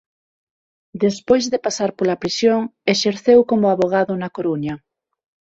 Despois de pasar pola prisión exerceu como avogado na Coruña.